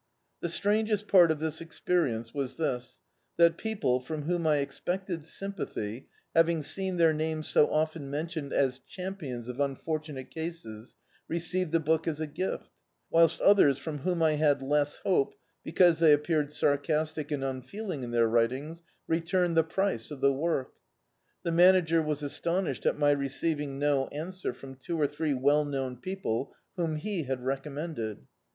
The strangest part of this experience was this: that people, from whom I expected sympathy, having seen their names so often mentioned as champions of unfortu* nate cases, received the book as a gift; whilst others, irom vrhcan I had less hope, because they appeared sarcastic and unfeeling in their writings, returned the price of the work. The Manager was astonished at my receiving no answer from two or three well known people whom he had recommended.